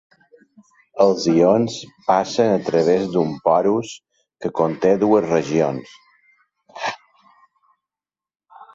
Els ions passen a través d'un porus que conté dues regions.